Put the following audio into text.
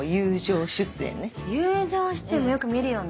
友情出演もよく見るよね。